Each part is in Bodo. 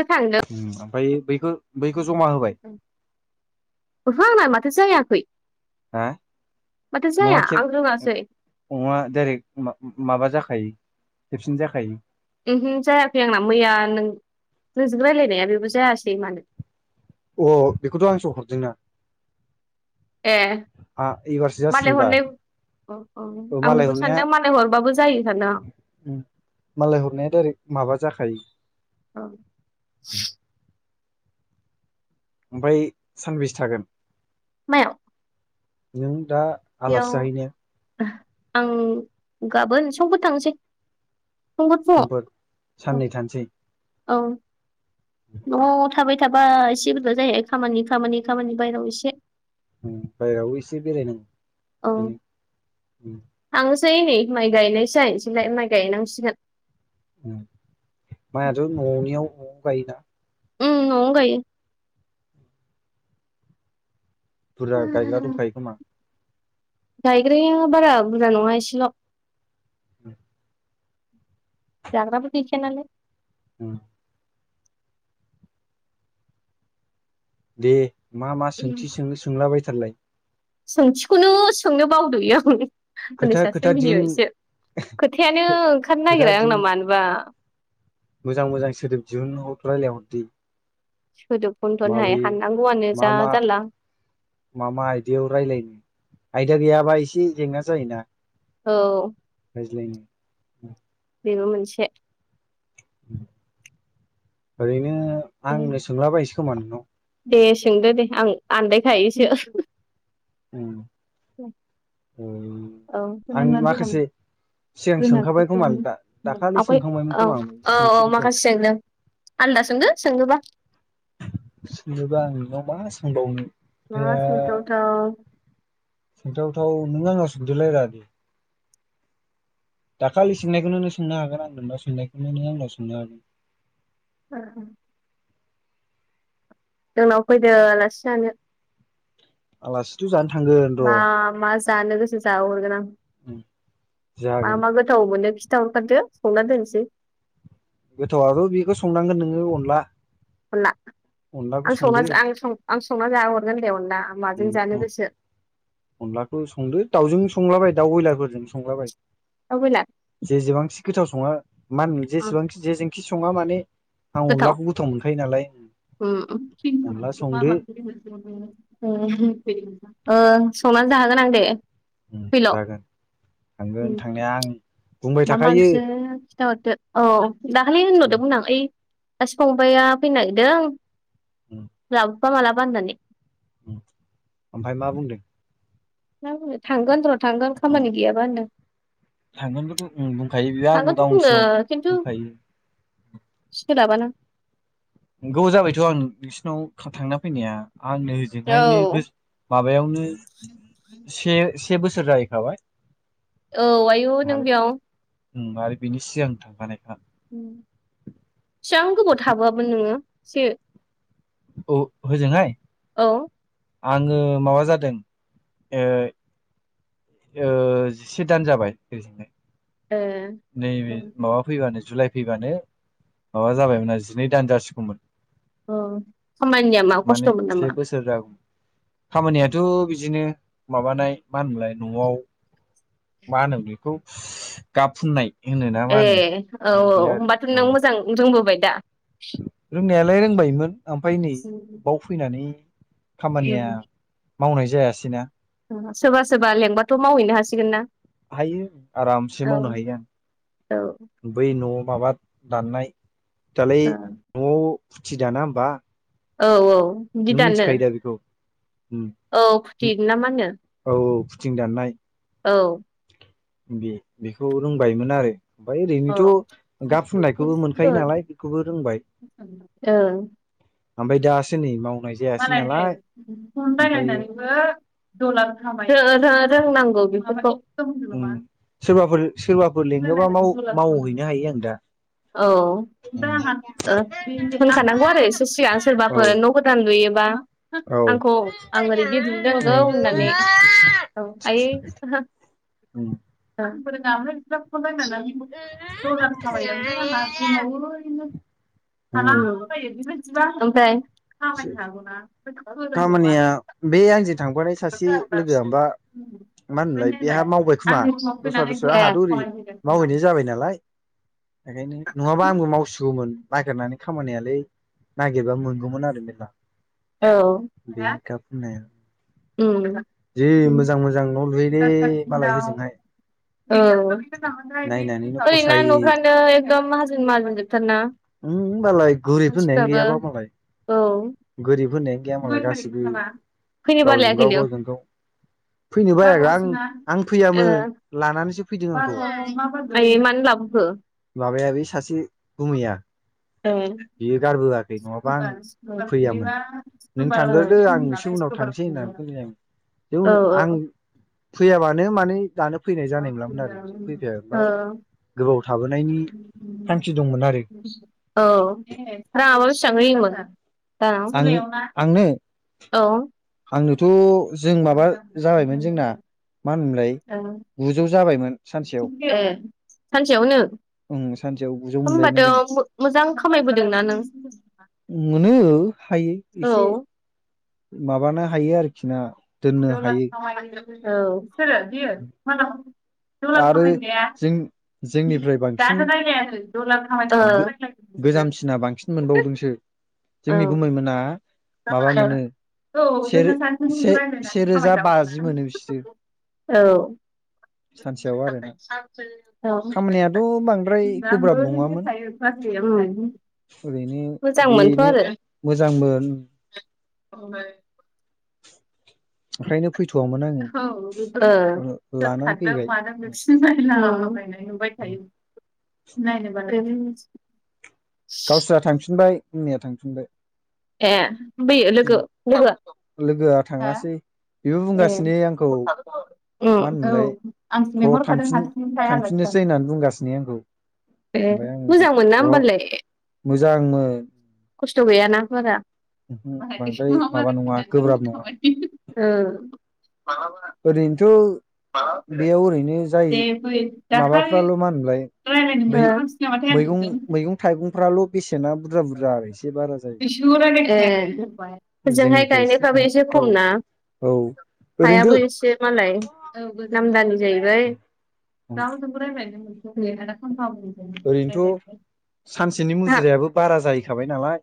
गोसो थांदों उम [unintelligible] ओमफ्राय बैखो बैखो ज'मा होबाय? ओहो आंना माथो जायाखै हा माथो नंङा जाया खेब आं रोङासै नंङा डारेक्ट मा-माबा जाखायो खेबसिनो जाखायो। उमहु जायाखै आंना मैया नों-नोंजों रायलायनाया बेबो जायासै मानो? अ बेखौथ' आंसो हरदोंना। ए आ एबारसो मालाय जासिगोनबा हरनो अ अ आं मालाय बेखौ हरनाया सानदों मालाय हरबाबो जायो सानदों आं मालाय हरनाया दायरेक्ट माबा आं जाखायो। ओमफ्राय सानबेसे थागोन? मायाव नों दा आलासि जाहै नायाव ओह आं गाबोन समफोर थांसै। समफोर समफोर फुंआव साननै थानोसै औ न'आव थाबाय थाबा एसे बोरैबा जायो खामानि खामानि खामानि बाहेरायाव एसे बायराव इसे बेराय नांगौ। औ आंङो सै नै माइ गायनायसो जाहैनोसैलाय माइ गायनांसिगोन माइयाथ' न'नियाव न'आव गायो दा? उम न'आवनो गायो बुरजा गायग्रा गायो दंखायो खोमा? गायग्राया बारा बुरजा नंङा इसेल' उ [inaudible] जाग्राबो गैखाया नालाय ओम दे मा मा सोंथि सोंनो सोंलाबाय थारलाय? सोंथिखौनो सोंनो बावदोलै आं हनै खोथा सासे खोथा दिहुन मिनिबायसो खोथायानो ओंखारनो खोथा नागिरा दिहुन आंना मानोबा मोजां मोजां सोदोब दिहुन ह' रायजलायहरदो सोदोब खनथ'नोहाय हाननांगौआनो मा जा मा जारला मा मा आयदायाव रायलायनो आयदा गैयाबा एसे जेंना जायोना। औ। [unintelligible] बेबो मोनसे। ओरैनो आंनो सोंलाबायसै खोमा नोंनाव। दे सोंदो दे आं आनदायखायोसो। औ आं सोनानो रोांग माखासे [unintelligible] सिगां रोंङा बिदि सोंखाबाय खोमा दा खालामनो दाखालि आवगाय सोंखांबायमोन खोमा आं औ औ सोंथिफोरखौ माखासेयैनो। आलदा सोंदो सोंनोबा। सोंङोबा आं नोंनाव मा सोंबावनो। मा खोथाया सोंथावथाव सोंथावथाव नों आंनाव सोंदोलाय रा दे। दाखालि सोंनायखौनो नों सोंनो हागोन आं नोंनाव सोंनायखौनो नों आंनाव सोंनो हागोन। आ हा। जोंनाव फैदो आलासि जानो। आलासि थ' जानो‌ मा मा जानो गोसो जाहोहरगोन आं मा जागोन मा गोथाव मोनो‌ खिथा हरखादो संना दोनसै। गोथावआथ' बेखौ संनांगोन नोङो अनला। अनला। अनलाखौ आं संना संदो आं सं आं संना जाहो हरगोन दे अनला माजों जानो गोसो। अनलाखौ संदो दाउजों संलाबाय दाउ बयलारफोरजों संलाबाय। औ बेला जेजेबांखि गोथाव सङा मा होनो ओं जेसेबांखि जेजोंखि सङा माने आं अनलाखौ गोथाव मोनखायो नालाय। उ अनला उ संदो ओ संनानै जाहोगोन आं दे। फैल' जागोन थांगोन उम थांनाया आं। बुंबाय मा मा थाखायो ओंख्रि खिथाहरदो औ दाखालि होनहरदोंमोन आं ओइ सासे फंबाया फैनो नागिरदों लाबोफा मालाबा होननानै। ओमफ्राय मा बुंदों? मा बुंनो थांगोन र' थांगोन खामानि गैयाबा होनदों। थांगोनखोथ' उ बुंखायो बेयो आंबो थांगोनथ' गावनि बुङो सिगांआव खिन्थु बुंखायो। सोलाबाना। नंगौ जाबायथ' आं नोंसिनाव थांना फैनाया। आंनो ओजोंहायनो औ गोज माबायावनो से से बोसोर जाहैखाबाय। औ आयु नों बेयाव। उ आरो बिनि सिगां थांफानाय। उ सेबां गोबाव थाबोआमोन नोङो से? अ होजोंहाय। औ। आङो माबा जादों ओ ओ जिसे दान जाबाय बेजोंहाय। ए नैबे माबा फैबानो जुलाइ फैबानो माबा जाबायमोन आरो जिनै दान जासिगौमोन। औ खामानिया मा माने खस्थ'मोन नामा से बोसोर जागौ खामानियाथ' बिदिनो माबानाय मा होनोमोनलाय न'आव मा होनो बेखौ गाब फुननाय होनो ना मा ए होनो औ औ बे आरो होमबाथ' नों औ औ। मोजां रोंबोबाय दा? रोंनायालाय रोंबायमोन ओमफ्राय नै बाव फैनानै खामानिया मावनाय जायासैना। सोरबा सोरबा लेंबाथ' मावहैनो हासिगोन ना? हायो आरामसे औ मावनो हायो औ आं बै न'आव माबा दाननाय दालाय औ न'आव फुथि दाना होमबा। औ औ। बिदि नों दानो मोनथिखायो दा बेखौ? औ उम फुथि ना मा होनो औ औ फुथिं दाननाय औ बे-बेखौ रोंबायमोन आरो। ओमफ्राय अ ओरैनोथ' गाब फुननायखौबो मोनखायो नालाय बेखौबो रोंबाय। ओ आमफ्राय दासो नै माव मालाय नै फन रायलायनानैबो दलार खामायो रो-रो रोंनांगौ। बेफोरखौ। उम सोरबाफोर सोरबाफोर लिङोबा माव-मावहैनो हायो आं दा। औ ओ उम। होनखानांगौ आरो एसे सिगां औ सोरबाफोर न' गोदान लुयो औ आंखौ आं ओरैदि उम दुमनांगौ होननानै औ आयै औ। उम। ओनफ्राइ बिसा फन रायलायनानै दरजाखौ खाबाय ओनफ्राइ आंहा दंबावो उम [unintelligible] खामानिया बे आंजों थांफानाय सासे लोगोआबा मा होनोमोनलाय बेहा मावबाय खोमा दस्रा दस्रा आंहाथ ओरै मावहैनाय जाबाय नालाय बेखायनो नङाबा आंबो मावसिगौ मोन नागिरनानै खामानियालाय नागिरबा मोनगौमोन आरो मेरला। बे गाब [unintelligible] उम्म। जि मोजां मोजां न' लुयोलै मालाय होजोंहाय। औ नायनानैनो ओरैना फसायो न'फ्रानो एकदम माहाजोन माहाजोन जोबथारना? उम्म मालाय गोरिब होननायानो मानसिफ्राबो गैयाबा मालाय। औ गोरिब होननायानो गैया मालाय गासिबो फैनो गावजों गाव बालायाखैनो गावजों गाव फैनो बायोलां आं फैयामोन लानानैसो फैदों मा आंखौ न' माबायदि आइयै मानो लाबोखो? माबाया बे सासे गुमैया ए। बियो गारबोआखै नङाबा आं फैयामोन नों थांग्रोदो आं एससे उनाव थांसै होननानै फैबाय आं। जिकुनु ओ औ आं औ फैयाबानो माने दानो फैनाय जानाय नंलामोन आरो बिजों फैफायाबा गोबाव थाबोनायनि थांखि दंमोन आरो औ। औ रावोस थाहैयोनो माथो दाना आं जुलायाव ना औ। थ' जों माबा जाबायमोन जोंना मा होनोमोनलाय ओ गुजौ जाबायमोन सानसेयाव। ए सानसेयावनो ओं सानसेयाव गुजौ मोनबायमोन होनबाथ' जों मो-मोजां खामायबोदोंना नों? मोनो हायो औ एसे माबानो हायो आरोखि ना दोननो [unintelligible] औ हायो सोरो बियो [unintelligible] डलार आरो खामायग्राया जों जोंनिफ्राय बांसिन [unintelligible] रायलायाखै गो [unintelligible] गोजामसिना बांसिन मोनबावदोंसो जोंनि गुबुमैमोना [unintelligible] औ जोंना सानजौफुनि से फ्राय रायज्लायनानै सेरोजा खामाय बाजि जागौमोन मोनो बिसोरो ना [unintelligible] औ। सानसेयाव आरोना [unintelligible] औ [unintelligible] खामानियाथ' बांद्राय उम्म। गोब्राब नङामोन ओरैनो बेनो मोजांमोन। [unintelligible] ओमफ्रायनो औ ओ सोर लानानै खारदों फैबाय मादों बेखौसो नायलाबायनाय नुबाय थायो। नायनो बानाय बेबो मोनस गावस्रा थांफिनबाय मैया थांफिनबाय। ए बैयो लोगो लोगो लोगोआ थाङासै बेबो बुंगासिनो आंखौ उम मा होनोमोनलाय थ थांफिन थांफिननोस सै होननानै बुंगासिनो आंखौ। ए ओमफ्राय आं मोजां मोनना अ ओनबालाय। मोजांमोन। खस्थ गैयाना बारा ओहो बांद्राय माबा नङा गोब्राब नङा [inaudible] ओ ह ओरैनोथ बेयाव ओरैनो जाय माबाफ्राल मा होनोमोनलाय? ओ मै मैगं थाइगंफ्राल बेसेना बुरजा बुरजा आरो एसेबार ए ओजोंहाय गायनायफ्राबो जोंनिफ्रायसे एसे खम औ ना औ हायाबो रिन्दु एसे मालाय औ गो नाम दलि जाहैबाय रावजोंबो राय्लायनो मोन बे ओरैनोथ सानसेनि हा मुजिरायाबो बारा जाहैखाबाय नालाय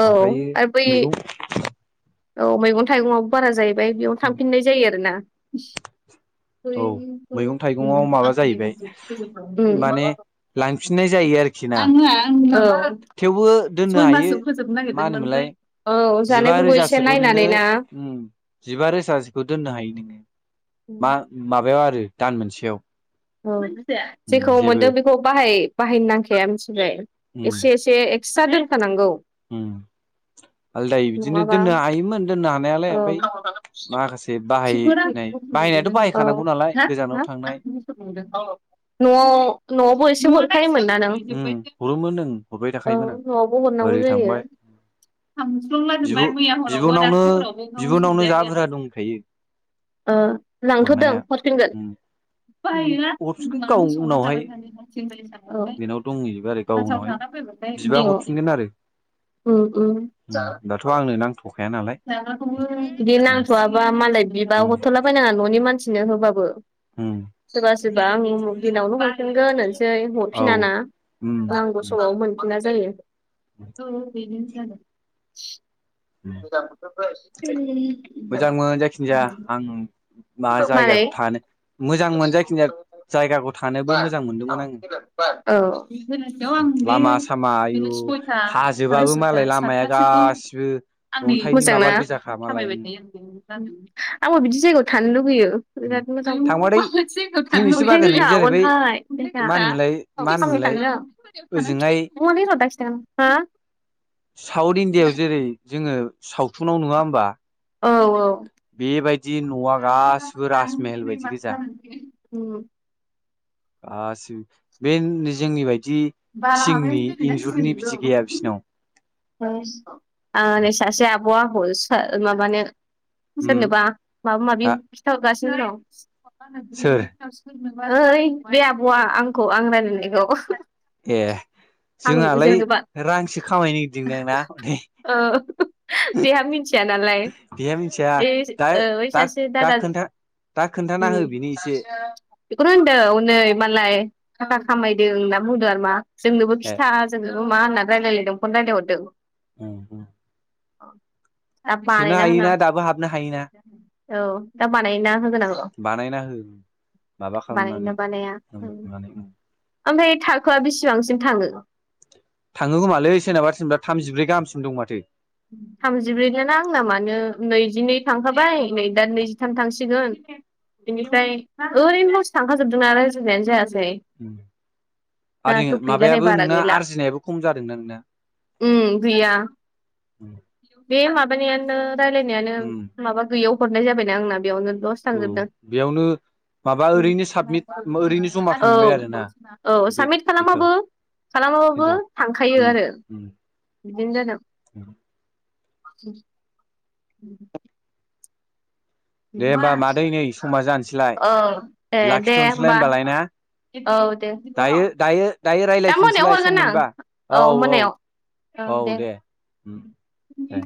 औ ओमफ्राययो आरो बै मैगं औ मैगं थाइगंआ बारा जाहैबाय बेयावनो थांफिननाय जायो आरोना औ मैगं उम थाइगंआव माबा जाहैबाय माने लांफिननाय जायो बे आरोखिना औ सय माससो फोजोबनो मा नागिरदोंमोन ओमफ्राय होनोमोनलाय औ जिबा जानायफोरखौ एसे रोजासोखौ नोङो नायनानै ना उम जिबा रोजा जिखौ दोननो हायो नोङो मा माबायाव आरो दान मोनसेयाव औ उम जेखौ जेबो मोनदों बेखौ बाहाय बाहायनो नांखाया मिथिबाय एसे एसे फिसा दोनखानांगौ उ आलदाय बिदिनो नङाबा दोननो हायोमोन दोननो हा नायालाय औ ओमफ्राय माखासे बाहायनाय बाहायनायाथ बाहायखानांगौ नालाय गोजानाव हा थांनाय औ नआव नआवबो एसे हरखायोमोन ना नों उम हरोमोन ओं हरबाय औ थाखायोमोन आं नआवबो हरनांगौ ओरै जायो थांबाय खामस्लंलाजोबबाय मैया हरावबो दा ओ बिबुनावनो जा बुरजा दंखायो ओ लांथदों हरनाया हरफिनगोन उम बे बायोलां हरफिनगोन गाव मानो संना उनावहाय जाबाय थानो बेनाव दंहैयोबा आरो [inaudible] गाव मासाउ उनावहाय थाना फैबाथाय बिबा हरफिनगोन आरो उ उ उम जा दाथ' आंनो नांथ'खाया नालाय लाग्राखौबो बिदि उम नांथआबा मालाय बिबा उम हरथलाबायायनाङा ननि मानसिनो होबाबो उम सोरबा सोरबा आं दिनावनो हरफिनगोन होनसै औ हरफिनाना उम आंबो उम समाव मोनफिना जायो औ बेदिनो जादों उम मोजांमोन जायखिजाया आं [unintelligible] मा जायगाखौ थानो मालाय मोजांमोन [unintelligible] जायखिजाया जायगाखौ औ थानोबो मोजां मोनदोंमोन आङो आं [unintelligible] लामा सयथा सामा आयु साराय हाजोबाबो मालाय सयथा लामाया गासिबो सातथासोखौ आंनि अन्थाइनि मोजांना माबा गोजाखा मालाय थामायबाय उम थायो आं आंबो बिदि जायगायाव थानोनो लुुबैयो उम बिराद मोजां थांबाथाय फैनोसो बागोन [unintelligible] नों जेरै बै जागोनहाय [unintelligible] मा होनोमोनलाय मा होनोमोनलाय ओजोंहाय हा [unintelligible] साउथ इण्डियायाव जेरै जोङो सावथुनाव नुवा होमबा औ औ बेबायदि न'आ गासिबो राजमेहल बायदि गोजा आसि बे जोंनि बायदि थिंनि इन्जुरनि बिदि गैया बिसिनाव आ सासे आब'आ हरोसो माबानो उम सोरनोबा माबा माबि हा खिनथा हरगासिनो दं सोर ओइ बे आब'आ आंखौ आं रायलायनायखौ ए आं जोंहालाय जोंनोबा रांसो खामायनो [unintelligible] दोंना हनै ओ बेहा मिथिया नालाय बेहा मिथिया ओइ दा ओ दा सासे दा दादा खोन्था दा उ खोन्थाना हो बेनो एसे सासेया बेखौनो होनदों हनै मालाय थाखा खामायदों होनना बुंदों आरो मा जोंनोबो ए खिथा जोंनोबो मा होननानै रायलायलायदों फन रायलायहरदों औ औ [inaudible] दा बानायना दाबो हाबनो हायोना होनांगौ औ दा बानायना होगोन आ औ बानायना हो माबा खालामनानै [unintelligible] नानै ओमफ्राय थाखोआ बेसेबांसिम थाङो थाङो खोमालै सोरनाबा सोरबा थामजिब्रै गाहामसिम दं माथो थामजिब्रै न ना आंना मानो नैजिनै थांखाबाय नै दा नैजिथाम थांसिगोन बेनिफ्राय ओरैनो लस थांखाजोबदोंना रायज्लायनायानो जायासै आरो दाथ' गैला नै माबायाबो नोंना आरजिनायाबो खम जादोंना नोंना उ गैया बे माबानायानो रायलायनायानो उम माबा गैयियाव हरनाय जाबायना आंना बेयावनो लस औ थांजोबदों बेयावनो माबा ओरैनो साबमिट ओरैनो जमा औ थांबाय आरोना औ बे साबमिट बेखौ खालामबाबो खालामाबाबो खिन्थु थांखायो उम आरो उम बिदिनो जादों [unintelligible] दे होमबा मादै नै समा जानोसैलाय औ ए दे लाखिथ'नोसैलाय होमबा होमबालाय ना औ दे दायो दायो दायो दा मोनायाव रायज्लायफिनसैलाय सम हरगोन आं मोनबा औ मोनायाव औ दे [inaudible] उम दे